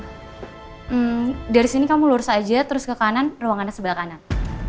hmm dari sini kamu lurus aja terus ke kanan ruangannya sebelah kanan